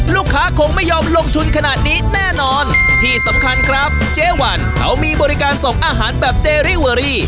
ลูกค้าคงไม่ยอมลงทุนขนาดนี้แน่นอนที่สำคัญครับเจ๊วันเขามีบริการส่งอาหารแบบเดริเวอรี่